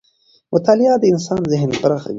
مطالعه د انسان ذهن پراخوي